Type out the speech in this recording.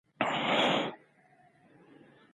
لوړ همت او قوي هوډ کاڼي اوبه کولای شي !